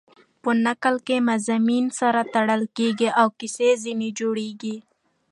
په نکل کښي مضامین سره تړل کېږي او کیسه ځیني جوړېږي.